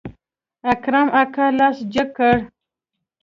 اکرم اکا لاس جګ کړ.